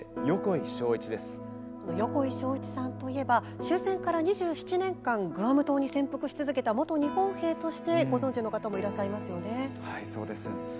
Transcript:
横井庄一さんといえば終戦から２７年間グアム島に潜伏し続けた元日本兵としてご存知の方もいらっしゃると思います。